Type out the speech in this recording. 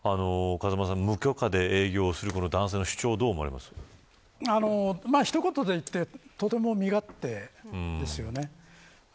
風間さん、無許可で営業するこの男性の主張一言で言ってとても身勝手ですよね。